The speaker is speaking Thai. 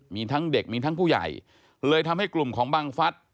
มีทั้งเด็กมีทั้งผู้ใหญ่เลยทำให้กลุ่มของบังฟัฐ